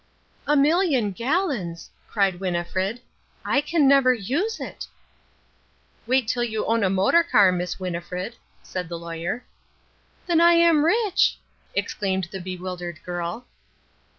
"A million gallons!" cried Winnifred. "I can never use it." "Wait till you own a motor car, Miss Winnifred," said the Lawyer. "Then I am rich!" exclaimed the bewildered girl.